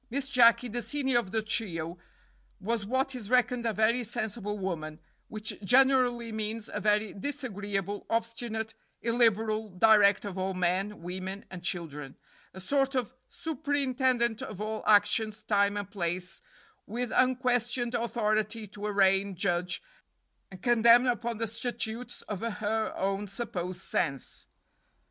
"Miss Jacky, the senior of the trio, was what is reckoned a very sensible woman which generally means a very disagreeable, obstinate, illiberal director of all men, women, and children a sort of superintendent of all actions, time, and place, with unquestioned authority to arraign, judge, and condemn upon the statutes of her own supposed sense.